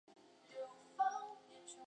有什么方法可以帮助他们脱离贫穷呢。